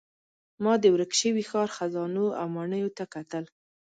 ما د ورک شوي ښار خزانو او ماڼیو ته کتل.